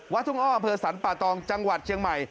ทุ่งอ้ออำเภอสรรป่าตองจังหวัดเชียงใหม่